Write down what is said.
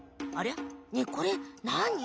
ねえこれなに？